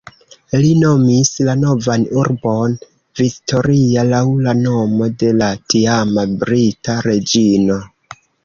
Li nomis la novan urbon Victoria laŭ la nomo de la tiama brita reĝino.